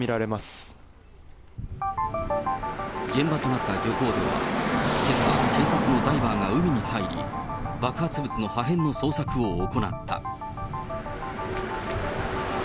現場となった漁港では、けさ、警察のダイバーが海に入り、爆発物の破片の捜索を行った。